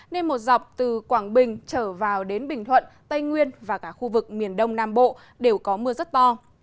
nên một dọc từ quảng bình trở vào đến bình thuận tây nguyên và cả khu vực miền đông nam bộ đều có mưa rất to